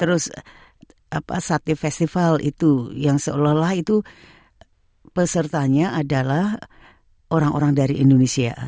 terus sate festival itu yang seolah olah itu pesertanya adalah orang orang dari indonesia